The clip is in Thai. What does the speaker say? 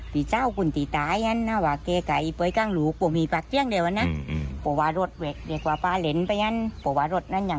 พี่สาวกินกันเค้าหาแล้วว่าเจอเลยแล้วคะ